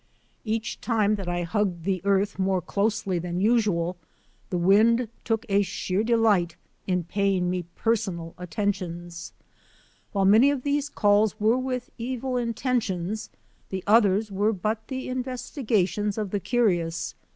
Each time that I hugged the earth more closely than usual, the wind took a sheer delight in paying me personal attentions. While many of these calls were with evil intentions, the others were but the investigations of the curious.